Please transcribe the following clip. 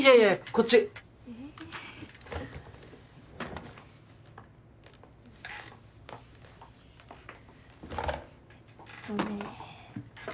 こっちえっえっとね